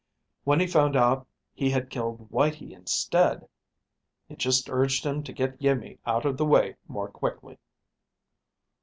When he found out he had killed Whitey instead, it just urged him to get Iimmi out of the way more quickly."